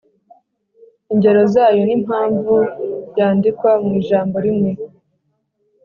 Ingero zayo n’impamvu yandikwa mu ijambo rimwe